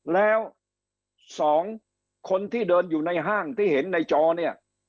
แล้ว๒คนที่เดินอยู่ในห้างที่เห็นในจอเนี่ย